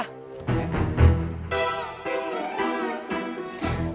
biar kamar atas buat poni ren aja